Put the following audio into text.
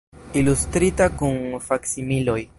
Ilustrita, kun faksimiloj.